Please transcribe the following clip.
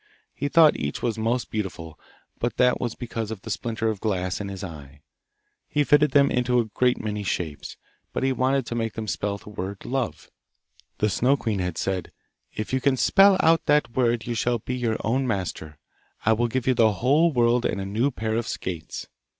He thought each was most beautiful, but that was because of the splinter of glass in his eye. He fitted them into a great many shapes, but he wanted to make them spell the word 'Love.' The Snow queen had said, 'If you can spell out that word you shalt be your own master. I will give you the whole world and a new pair of skates.